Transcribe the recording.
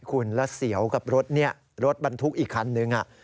คุณแล้วเสียวกับรถเนี่ยรถบรรทุกอีกคันนึง